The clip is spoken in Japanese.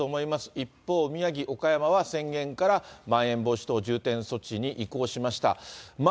一方、宮城、岡山は、宣言からまん延防止等重点措置に移行しました。